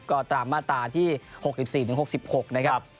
ก็ตามมาตราที่๖๔๖๖นะครับ